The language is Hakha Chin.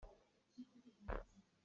Mirum nih tangka tampi an ngeih.